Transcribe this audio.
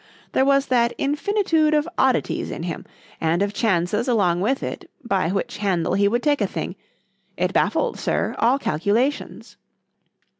—There was that infinitude of oddities in him, and of chances along with it, by which handle he would take a thing,—it baffled, Sir, all calculations.